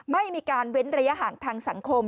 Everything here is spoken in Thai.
ไม่มีการเว้นระยะห่างทางสังคม